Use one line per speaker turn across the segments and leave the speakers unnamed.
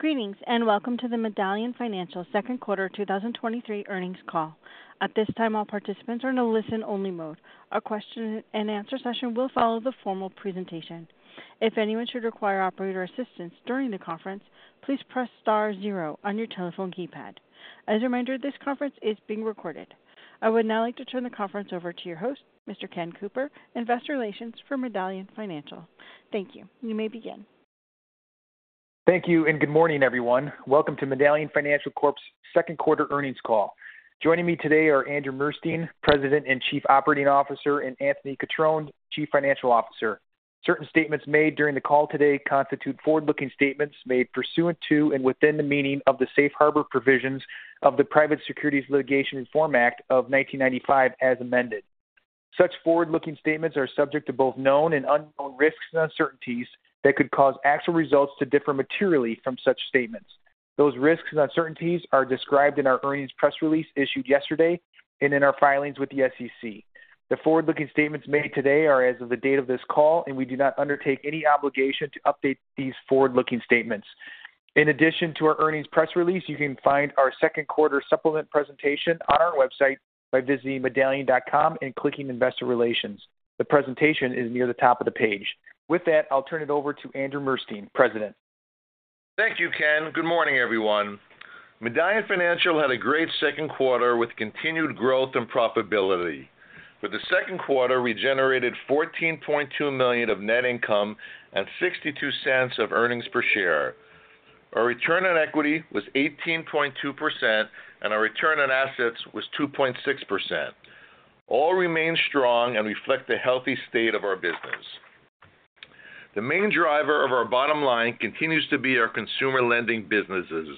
Greetings, and welcome to the Medallion Financial second quarter 2023 earnings call. At this time, all participants are in a listen-only mode. A question-and-answer session will follow the formal presentation. If anyone should require operator assistance during the conference, please press star zero on your telephone keypad. As a reminder, this conference is being recorded. I would now like to turn the conference over to your host, Mr. Ken Cooper, Investor Relations for Medallion Financial. Thank you. You may begin.
Thank you, and good morning, everyone. Welcome to Medallion Financial Corp.'s second quarter earnings call. Joining me today are Andrew Murstein, President and Chief Operating Officer, and Anthony Cutrone, Chief Financial Officer. Certain statements made during the call today constitute forward-looking statements made pursuant to and within the meaning of the safe harbor provisions of the Private Securities Litigation Reform Act of 1995, as amended. Such forward-looking statements are subject to both known and unknown risks and uncertainties that could cause actual results to differ materially from such statements. Those risks and uncertainties are described in our earnings press release issued yesterday and in our filings with the SEC. The forward-looking statements made today are as of the date of this call, and we do not undertake any obligation to update these forward-looking statements. In addition to our earnings press release, you can find our second quarter supplement presentation on our website by visiting medallion.com and clicking Investor Relations. The presentation is near the top of the page. With that, I'll turn it over to Andrew Murstein, President.
Thank you, Ken. Good morning, everyone. Medallion Financial had a great second quarter with continued growth and profitability. For the second quarter, we generated $14.2 million of net income and $0.62 of earnings per share. Our return on equity was 18.2%, and our return on assets was 2.6%. All remain strong and reflect the healthy state of our business. The main driver of our bottom line continues to be our consumer lending businesses,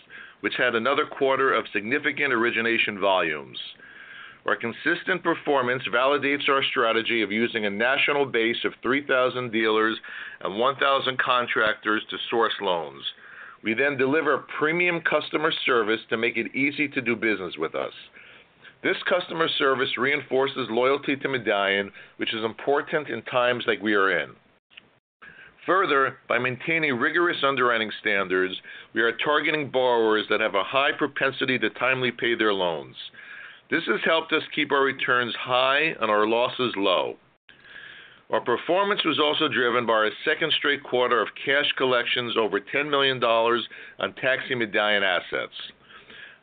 which had another quarter of significant origination volumes. Our consistent performance validates our strategy of using a national base of 3,000 dealers and 1,000 contractors to source loans. We then deliver premium customer service to make it easy to do business with us. This customer service reinforces loyalty to Medallion, which is important in times like we are in. Further, by maintaining rigorous underwriting standards, we are targeting borrowers that have a high propensity to timely pay their loans. This has helped us keep our returns high and our losses low. Our performance was also driven by our second straight quarter of cash collections over $10 million on Taxi Medallion assets.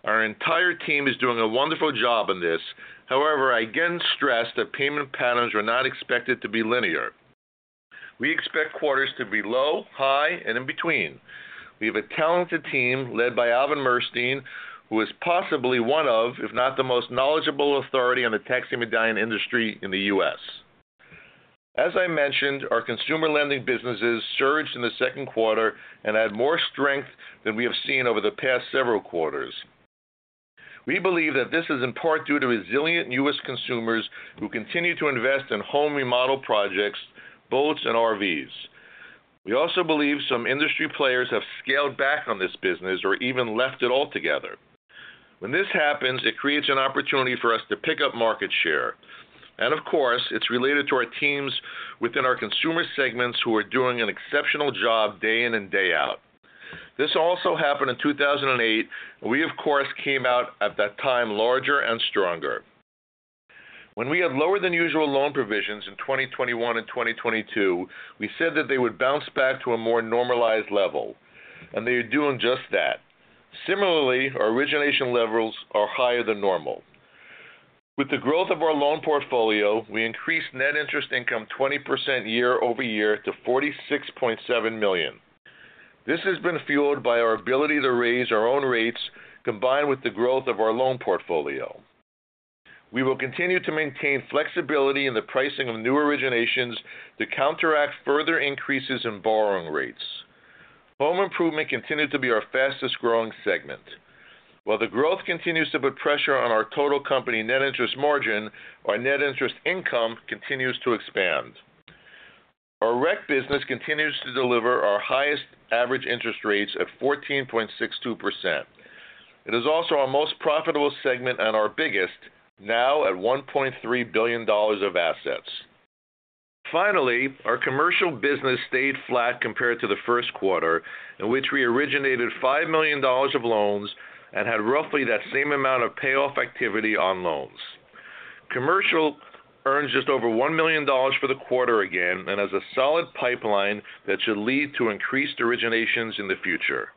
Our entire team is doing a wonderful job on this. However, I again stress that payment patterns are not expected to be linear. We expect quarters to be low, high, and in between. We have a talented team led by Alvin Murstein, who is possibly one of, if not the most knowledgeable authority on the Taxi Medallion industry in the U.S. As I mentioned, our consumer lending businesses surged in the second quarter and had more strength than we have seen over the past several quarters. We believe that this is in part due to resilient U.S. consumers who continue to invest in home remodel projects, boats, and RVs. We also believe some industry players have scaled back on this business or even left it altogether. When this happens, it creates an opportunity for us to pick up market share. Of course, it's related to our teams within our consumer segments who are doing an exceptional job day in and day out. This also happened in 2008. We, of course, came out at that time, larger and stronger. When we had lower than usual loan provisions in 2021 and 2022, we said that they would bounce back to a more normalized level, and they are doing just that. Similarly, our origination levels are higher than normal. With the growth of our loan portfolio, we increased net interest income 20% year-over-year to $46.7 million. This has been fueled by our ability to raise our own rates combined with the growth of our loan portfolio. We will continue to maintain flexibility in the pricing of new originations to counteract further increases in borrowing rates. Home improvement continued to be our fastest-growing segment. While the growth continues to put pressure on our total company net interest margin, our net interest income continues to expand. Our REC business continues to deliver our highest average interest rates of 14.62%. It is also our most profitable segment and our biggest, now at $1.3 billion of assets. Our commercial business stayed flat compared to the first quarter, in which we originated $5 million of loans and had roughly that same amount of payoff activity on loans. Commercial earned just over $1 million for the quarter again and has a solid pipeline that should lead to increased originations in the future.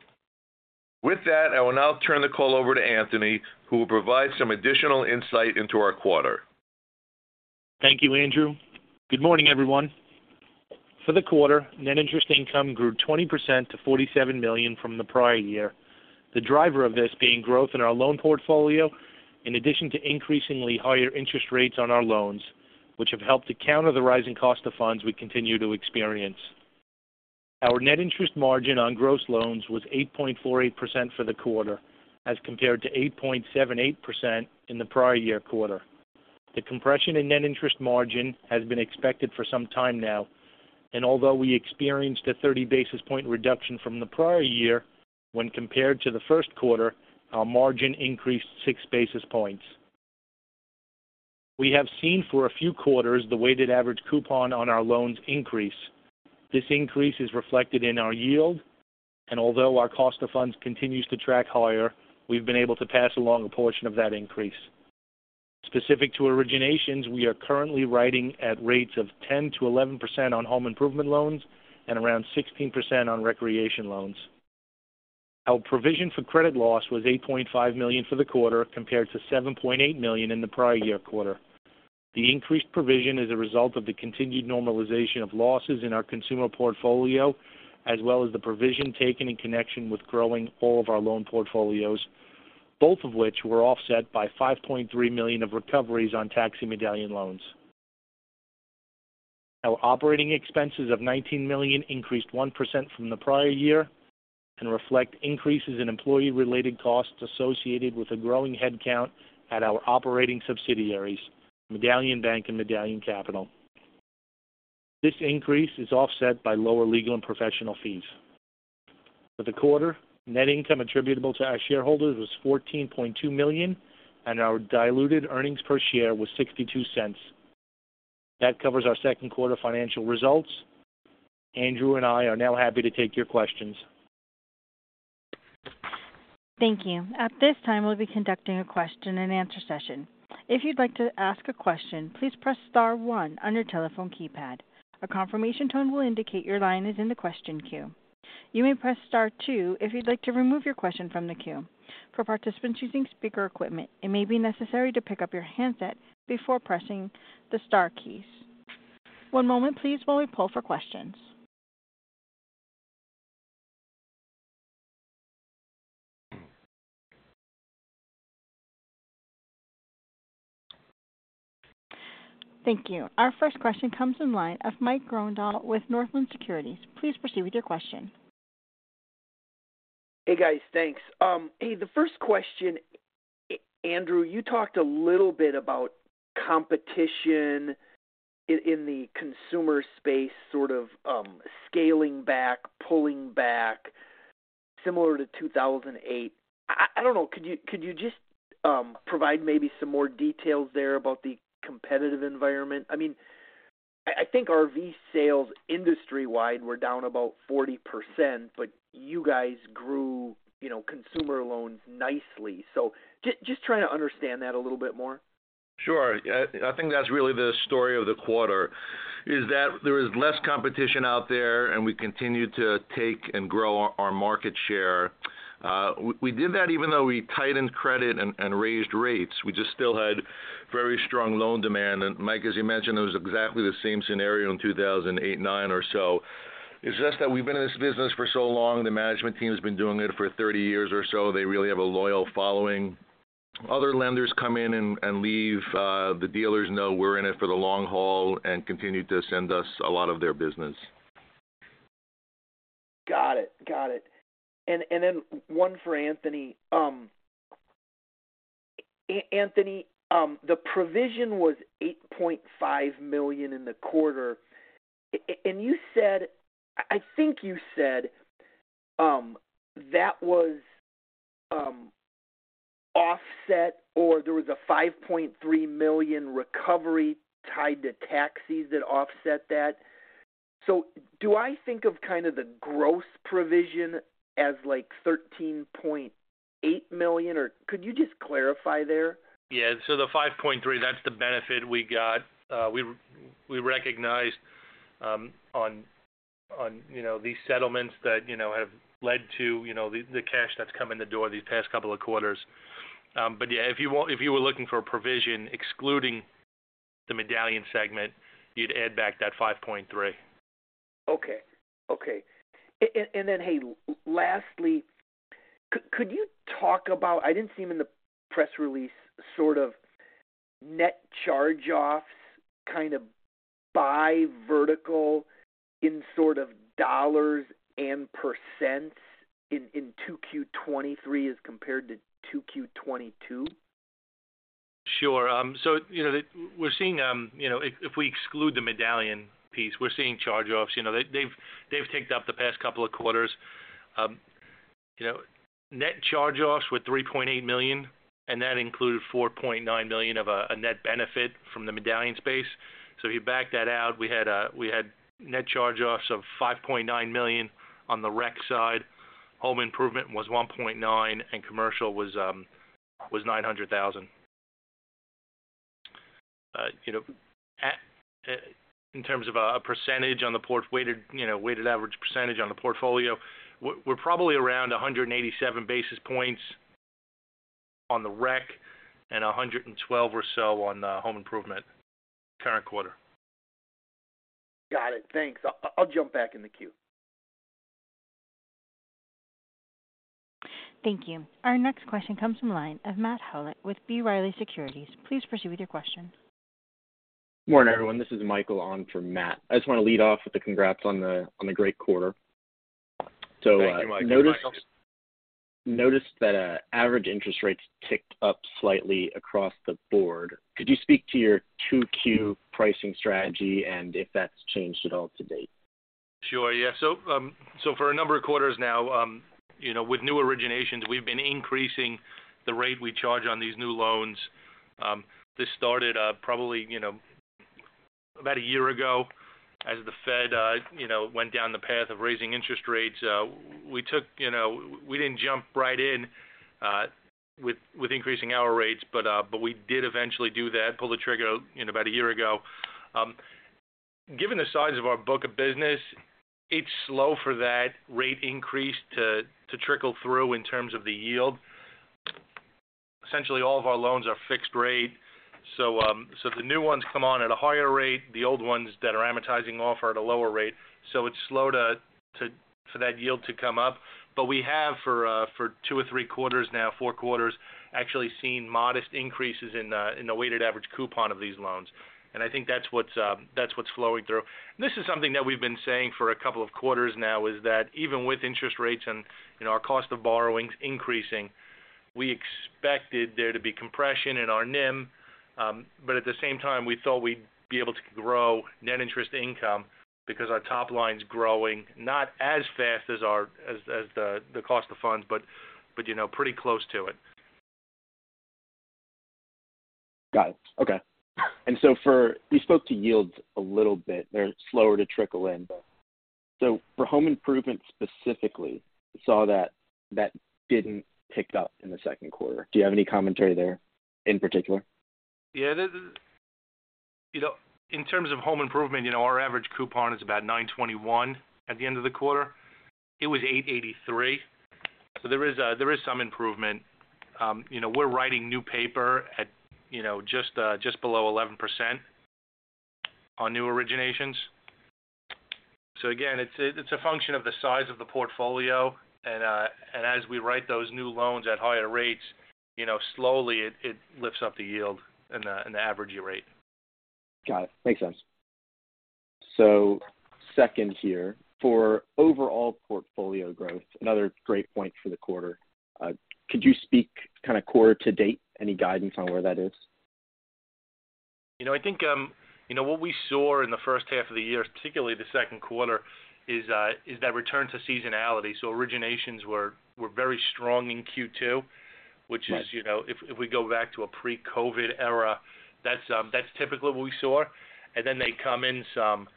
With that, I will now turn the call over to Anthony, who will provide some additional insight into our quarter.
Thank you, Andrew. Good morning, everyone. For the quarter, net interest income grew 20% to $47 million from the prior year. The driver of this being growth in our loan portfolio, in addition to increasingly higher interest rates on our loans, which have helped to counter the rising cost of funds we continue to experience. Our net interest margin on gross loans was 8.48% for the quarter, as compared to 8.78% in the prior year quarter. The compression in net interest margin has been expected for some time now. Although we experienced a 30 basis point reduction from the prior year, when compared to the first quarter, our margin increased 6 basis points. We have seen for a few quarters the weighted average coupon on our loans increase. This increase is reflected in our yield, and although our cost of funds continues to track higher, we've been able to pass along a portion of that increase. Specific to originations, we are currently writing at rates of 10%-11% on home improvement loans and around 16% on recreation loans. Our provision for credit loss was $8.5 million for the quarter, compared to $7.8 million in the prior year quarter. The increased provision is a result of the continued normalization of losses in our consumer portfolio, as well as the provision taken in connection with growing all of our loan portfolios, both of which were offset by $5.3 million of recoveries on Taxi Medallion loans. Our operating expenses of $19 million increased 1% from the prior year and reflect increases in employee-related costs associated with a growing headcount at our operating subsidiaries, Medallion Bank and Medallion Capital. This increase is offset by lower legal and professional fees. For the quarter, net income attributable to our shareholders was $14.2 million, and our diluted earnings per share was $0.62. That covers our second quarter financial results. Andrew and I are now happy to take your questions.
Thank you. At this time, we'll be conducting a question-and-answer session. If you'd like to ask a question, please press star one on your telephone keypad. A confirmation tone will indicate your line is in the question queue. You may press star two if you'd like to remove your question from the queue. For participants using speaker equipment, it may be necessary to pick up your handset before pressing the star keys. One moment please while we pull for questions. Thank you. Our first question comes in line of Mike Grondahl with Northland Securities. Please proceed with your question.
Hey, guys. Thanks. Hey, the first question. Andrew, you talked a little bit about competition in the consumer space, sort of, scaling back, pulling back similar to 2008. I don't know, could you, could you just, provide maybe some more details there about the competitive environment? I mean, I think RV sales industry-wide were down about 40%, but you guys grew, you know, consumer loans nicely. Just trying to understand that a little bit more.
Sure. I think that's really the story of the quarter, is that there is less competition out there, and we continue to take and grow our market share. We did that even though we tightened credit and raised rates. We just still had very strong loan demand. Mike, as you mentioned, it was exactly the same scenario in 2008, 2009 or so. It's just that we've been in this business for so long. The management team has been doing it for 30 years or so. They really have a loyal following. Other lenders come in and leave, the dealers know we're in it for the long haul and continue to send us a lot of their business.
Got it. Got it. Then one for Anthony. Anthony, the provision was $8.5 million in the quarter. You said I think you said that was offset or there was a $5.3 million recovery tied to taxis that offset that. Do I think of kind of the gross provision as like $13.8 million, or could you just clarify there?
Yeah. The $5.3, that's the benefit we got. We recognized, on, you know, these settlements that, you know, have led to, you know, the cash that's come in the door these past couple of quarters. Yeah, if you were looking for a provision excluding the Medallion segment, you'd add back that $5.3.
Okay. Okay. And then, hey, lastly, could you talk about. I didn't see him in the press release, sort of net charge-offs, kind of by vertical in sort of dollars and percents in 2Q 2023 as compared to 2Q 2022?
Sure. If we exclude the Medallion piece, we're seeing charge-offs. You know, they've ticked up the past couple of quarters. Net charge-offs were $3.8 million, and that included $4.9 million of a net benefit from the Medallion space. If you back that out, we had net charge-offs of $5.9 million on the rec side. Home improvement was $1.9 million, commercial was $900,000. In terms of a percentage on the port weighted average percentage on the portfolio, we're probably around 187 basis points on the rec and 112 or so on the home improvement current quarter.
Got it. Thanks. I'll jump back in the queue.
Thank you. Our next question comes from line of Matt Howlett with B. Riley Securities. Please proceed with your question.
Morning, everyone. This is Michael on for Matt. I just want to lead off with the congrats on the great quarter.
Thank you, Michael.
I noticed that average interest rates ticked up slightly across the board. Could you speak to your 2Q pricing strategy and if that's changed at all to date?
Sure. Yeah. For a number of quarters now, you know, with new originations, we've been increasing the rate we charge on these new loans. This started, probably, you know, about a year ago as the Fed, you know, went down the path of raising interest rates. We took, you know, we didn't jump right in, with increasing our rates, but we did eventually do that, pull the trigger, you know, about a year ago. Given the size of our book of business, it's slow for that rate increase to trickle through in terms of the yield. Essentially, all of our loans are fixed rate. The new ones come on at a higher rate. The old ones that are amortizing off are at a lower rate, so it's slow to for that yield to come up. We have for two or three quarters now, 4 quarters, actually seen modest increases in the weighted average coupon of these loans. I think that's what's flowing through. This is something that we've been saying for a couple of quarters now, is that even with interest rates and, you know, our cost of borrowings increasing, we expected there to be compression in our NIM. At the same time, we thought we'd be able to grow net interest income because our top line's growing, not as fast as the cost of funds, but, you know, pretty close to it.
Got it. Okay. You spoke to yields a little bit. They're slower to trickle in, but so for home improvement, specifically, saw that didn't pick up in the second quarter. Do you have any commentary there in particular?
Yeah. You know, in terms of home improvement, you know, our average coupon is about 9.21. At the end of the quarter, it was 8.83. There is some improvement. You know, we're writing new paper at, you know, just below 11% on new originations. Again, it's a function of the size of the portfolio. As we write those new loans at higher rates, you know, slowly it lifts up the yield and the average rate.
Got it. Makes sense. Second here, for overall portfolio growth, another great point for the quarter. Could you speak kind of quarter to date, any guidance on where that is?
You know, I think, you know, what we saw in the first half of the year, particularly the second quarter, is that return to seasonality. Originations were very strong in Q2.
Right.
Which is, you know, if we go back to a pre-COVID era, that's typically what we saw. Then they come in some.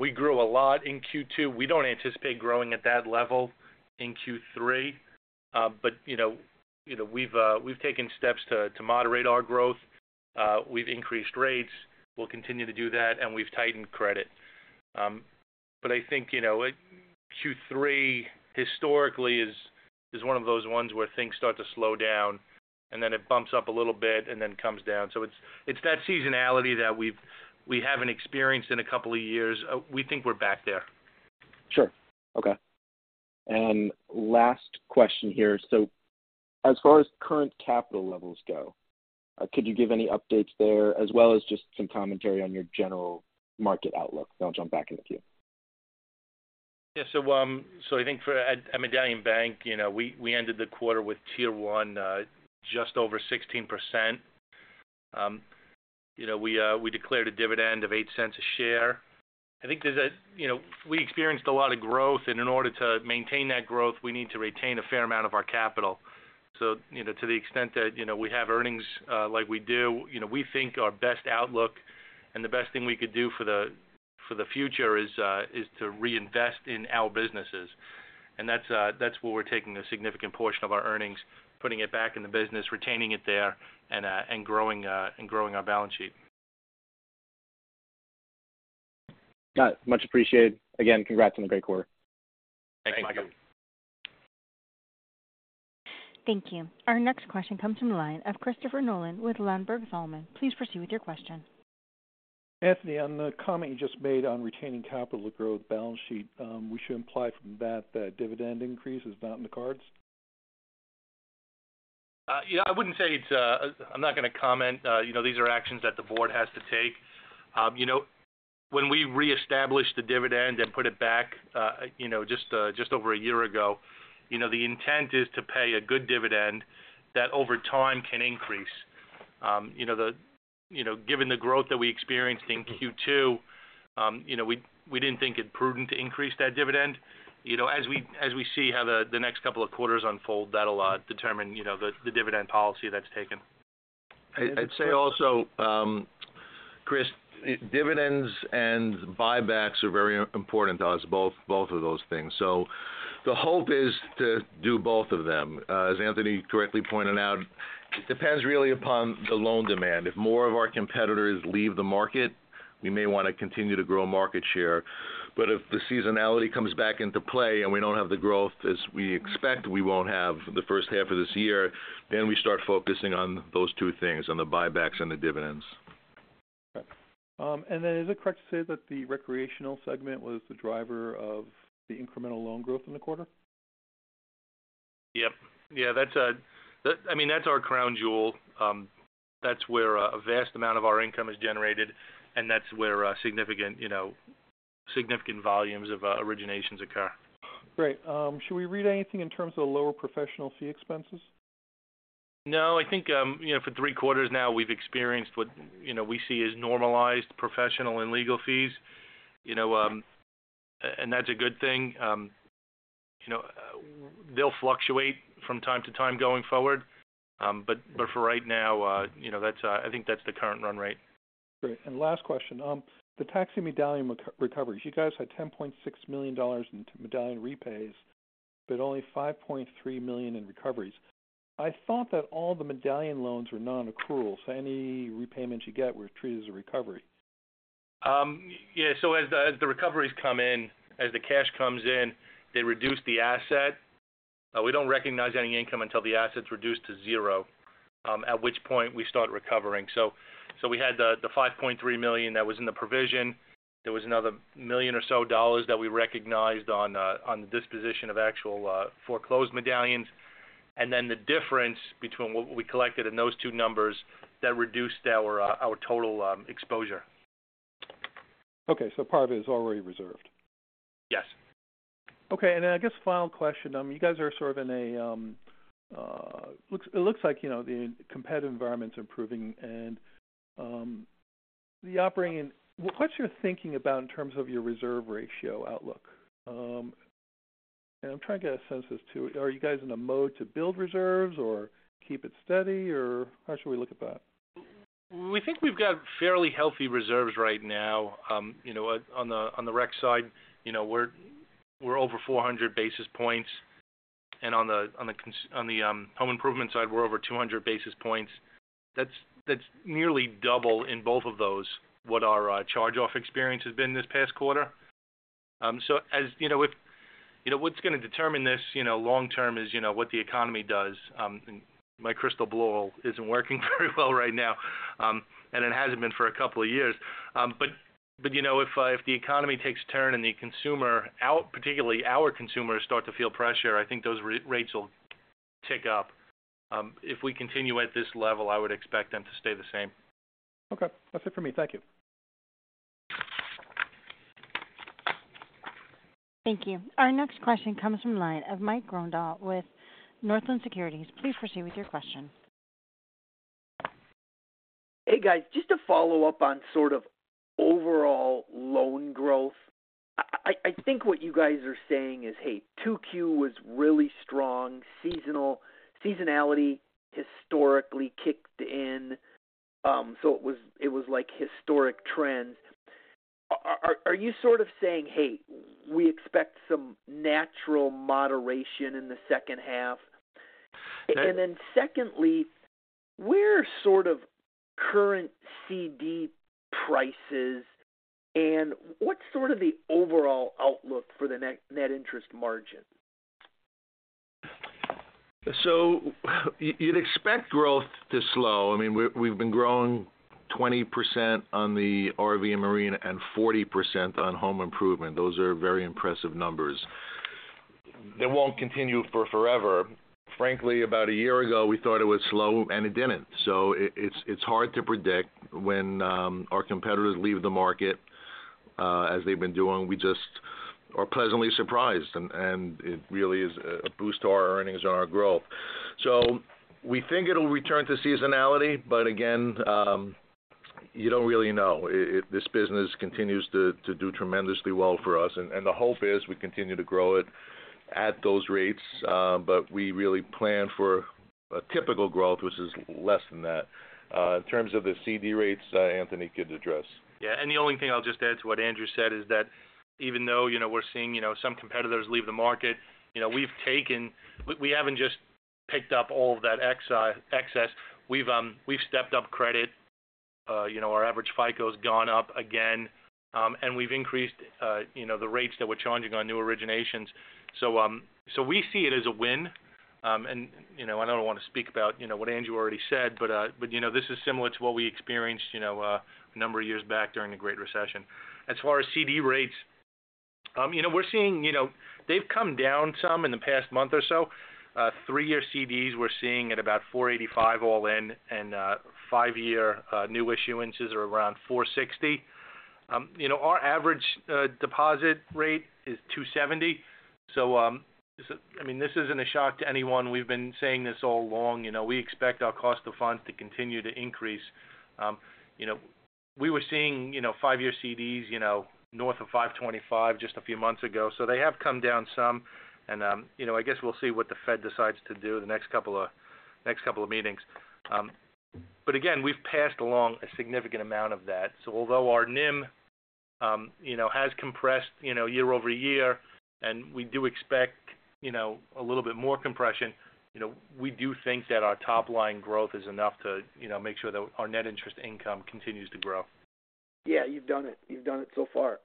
We grew a lot in Q2. We don't anticipate growing at that level in Q3. You know, we've taken steps to moderate our growth. We've increased rates. We'll continue to do that, and we've tightened credit. I think, you know, Q3 historically is one of those ones where things start to slow down, and then it bumps up a little bit and then comes down. It's that seasonality that we haven't experienced in a couple of years. We think we're back there.
Sure. Okay. Last question here. As far as current capital levels go, could you give any updates there as well as just some commentary on your general market outlook? I'll jump back in the queue.
Yeah. I think for at Medallion Bank, you know, we ended the quarter with Tier 1 just over 16%. You know, we declared a dividend of $0.8 a share. You know, we experienced a lot of growth, and in order to maintain that growth, we need to retain a fair amount of our capital. You know, to the extent that, you know, we have earnings, like we do, you know, we think our best outlook and the best thing we could do for the, for the future is to reinvest in our businesses. That's where we're taking a significant portion of our earnings, putting it back in the business, retaining it there, and growing and growing our balance sheet.
Got it. Much appreciated. Again, congrats on the great quarter.
Thanks, Michael.
Thank you. Our next question comes from the line of Christopher Nolan with Ladenburg Thalmann. Please proceed with your question.
Anthony, on the comment you just made on retaining capital to grow the balance sheet, we should imply from that dividend increase is not in the cards?
Yeah, I wouldn't say it's. I'm not going to comment. You know, these are actions that the board has to take. You know, when we reestablish the dividend and put it back, you know, just over a year ago, you know, the intent is to pay a good dividend that over time can increase. You know, the, you know, given the growth that we experienced in Q2, you know, we didn't think it prudent to increase that dividend. You know, as we, as we see how the next couple of quarters unfold, that'll determine, you know, the dividend policy that's taken.
I'd say also, Chris, dividends and buybacks are very important to us, both of those things. The hope is to do both of them. As Anthony correctly pointed out, it depends really upon the loan demand. If more of our competitors leave the market, we may want to continue to grow market share, but if the seasonality comes back into play and we don't have the growth as we expect, we won't have the first half of this year, then we start focusing on those two things, on the buybacks and the dividends.
Okay. Is it correct to say that the recreational segment was the driver of the incremental loan growth in the quarter?
Yep. Yeah, that, I mean, that's our crown jewel. That's where a vast amount of our income is generated, and that's where significant, you know, volumes of originations occur.
Great. Should we read anything in terms of the lower professional fee expenses?
I think, you know, for three quarters now, we've experienced what, you know, we see as normalized professional and legal fees, you know, and that's a good thing. You know, they'll fluctuate from time to time going forward. For right now, you know, that's, I think that's the current run rate.
Great. Last question, the Taxi Medallion recoveries, you guys had $10.6 million into Medallion repays, but only $5.3 million in recoveries. I thought that all the Medallion loans were nonaccrual, so any repayments you get were treated as a recovery.
As the, as the recoveries come in, as the cash comes in, they reduce the asset. We don't recognize any income until the asset's reduced to zero, at which point we start recovering. We had the $5.3 million that was in the provision. There was another $1 million or so that we recognized on the disposition of actual foreclosed Medallions. The difference between what we collected and those two numbers, that reduced our total exposure.
Okay, part of it is already reserved?
Yes.
Okay. I guess final question, you guys are sort of in a, you know, the competitive environment's improving and the operating. What's your thinking about in terms of your reserve ratio outlook? I'm trying to get a sense as to, are you guys in a mode to build reserves or keep it steady, or how should we look at that?
We think we've got fairly healthy reserves right now. You know, on the rec side, you know, we're over 400 basis points, and on the home improvement side, we're over 200 basis points. That's nearly double in both of those, what our charge-off experience has been this past quarter. As you know, if, you know, what's going to determine this, you know, long term is, you know, what the economy does. My crystal ball isn't working very well right now, and it hasn't been for a couple of years. You know, if the economy takes a turn and the consumer, our, particularly our consumers, start to feel pressure, I think those re-rates will tick up. If we continue at this level, I would expect them to stay the same.
Okay, that's it for me. Thank you.
Thank you. Our next question comes from the line of Mike Grondahl with Northland Securities. Please proceed with your question.
Hey, guys, just to follow up on sort of overall loan growth. I think what you guys are saying is, hey, 2Q was really strong. Seasonality historically kicked in, so it was like historic trends. Are you sort of saying, hey, we expect some natural moderation in the second half?
Yeah.
Secondly, where are sort of current CD prices, and what's sort of the overall outlook for the net interest margin?
You'd expect growth to slow. I mean, we've been growing 20% on the RV and marine and 40% on home improvement. Those are very impressive numbers. They won't continue for forever. Frankly, about a year ago, we thought it would slow, and it didn't. It's hard to predict when our competitors leave the market as they've been doing. We just are pleasantly surprised, and it really is a boost to our earnings and our growth. We think it'll return to seasonality. Again, you don't really know. This business continues to do tremendously well for us, and the hope is we continue to grow it at those rates. We really plan for a typical growth, which is less than that. In terms of the CD rates, Anthony could address.
The only thing I'll just add to what Andrew said is that even though, you know, we're seeing, you know, some competitors leave the market, you know, We haven't just picked up all of that excess. We've stepped up credit. You know, our average FICO has gone up again, and we've increased, you know, the rates that we're charging on new originations. We see it as a win. I don't want to speak about, you know, what Andrew already said, but, you know, this is similar to what we experienced, you know, a number of years back during the Great Recession. As far as CD rates, you know, we're seeing, you know, they've come down some in the past month or so. Three year CDs, we're seeing at about 4.85% all in, and five year new issuances are around 4.60%. You know, our average deposit rate is 2.70%. I mean, this isn't a shock to anyone. We've been saying this all along. You know, we expect our cost of funds to continue to increase. You know, we were seeing, you know, five year CDs, you know, north of 5.25% just a few months ago. They have come down some and, you know, I guess we'll see what the Fed decides to do in the next couple of meetings. Again, we've passed along a significant amount of that. Although our NIM, you know, has compressed, you know, year-over-year, and we do expect, you know, a little bit more compression, you know, we do think that our top-line growth is enough to, you know, make sure that our net interest income continues to grow.
Yeah, you've done it. You've done it so far.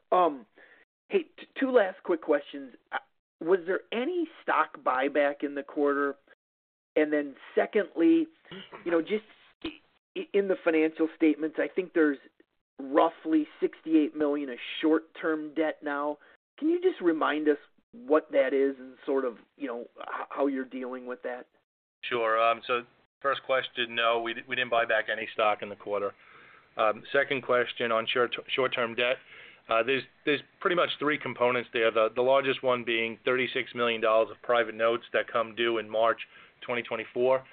Hey, two last quick questions? Was there any stock buyback in the quarter? Secondly, you know, just in the financial statements, I think there's roughly $68 million in short-term debt now. Can you just remind us what that is and sort of, you know, how you're dealing with that?
Sure. First question, no, we didn't buy back any stock in the quarter. Second question on short-term debt. There's pretty much three components there. The largest one being $36 million of private notes that come due in March 2024.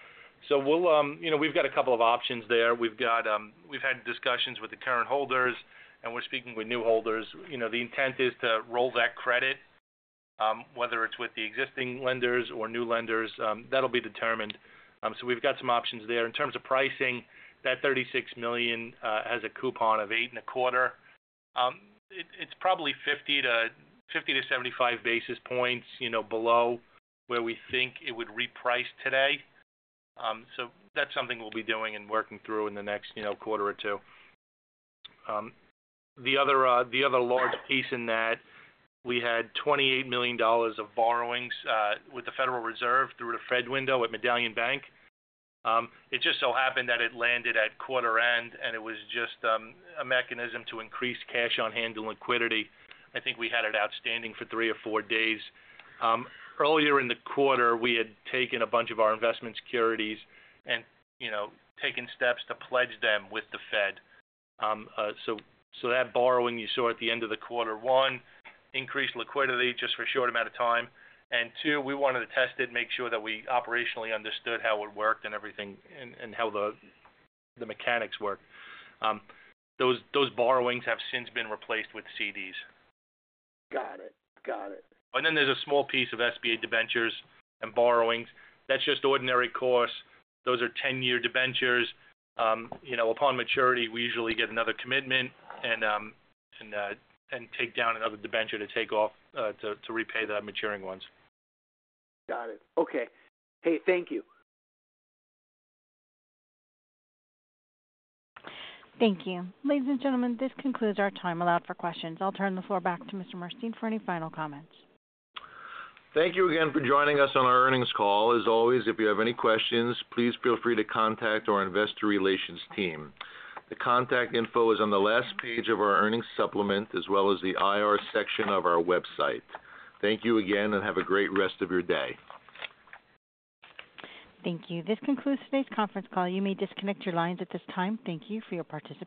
We'll, you know, we've got a couple of options there. We've got, we've had discussions with the current holders, and we're speaking with new holders. You know, the intent is to roll that credit, whether it's with the existing lenders or new lenders, that'll be determined. We've got some options there. In terms of pricing, that $36 million has a coupon of eight and a quarter. It's probably 50-75 basis points, you know, below where we think it would reprice today. That's something we'll be doing and working through in the next, you know, quarter or two. The other large piece in that, we had $28 million of borrowings with the Federal Reserve through the Fed window at Medallion Bank. It just so happened that it landed at quarter end, it was just a mechanism to increase cash on hand and liquidity. I think we had it outstanding for three or four days. Earlier in the quarter, we had taken a bunch of our investment securities and, you know, taken steps to pledge them with the Fed. That borrowing you saw at the end of the quarter, one, increased liquidity just for a short amount of time, two, we wanted to test it and make sure that we operationally understood how it worked and everything, and how the mechanics work. Those borrowings have since been replaced with CDs.
Got it. Got it.
There's a small piece of SBA debentures and borrowings. That's just ordinary course. Those are 10 year debentures. You know, upon maturity, we usually get another commitment and take down another debenture to take off to repay the maturing ones.
Got it. Okay. Hey, thank you.
Thank you. Ladies and gentlemen, this concludes our time allowed for questions. I'll turn the floor back to Mr. Murstein for any final comments.
Thank you again for joining us on our earnings call. As always, if you have any questions, please feel free to contact our Investor Relations team. The contact info is on the last page of our earnings supplement, as well as the IR section of our website. Thank you again, and have a great rest of your day.
Thank you. This concludes today's conference call. You may disconnect your lines at this time. Thank you for your participation.